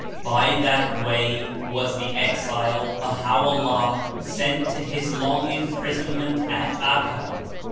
By that way was the exile, Bah.Vo^llah, sent to his long imprisonment at Acca.